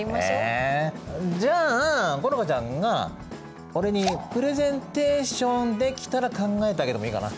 えじゃあ好花ちゃんが俺にプレゼンテーションできたら考えてあげてもいいかな。